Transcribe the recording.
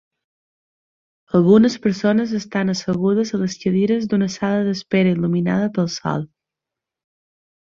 Algunes persones estan assegudes a les cadires d'una sala d'espera il·luminada pel sol.